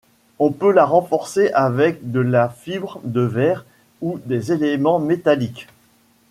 On peut la renforcer avec de la fibre de verre ou des éléments métalliques.